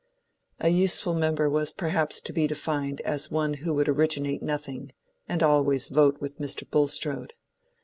A useful member was perhaps to be defined as one who would originate nothing, and always vote with Mr. Bulstrode.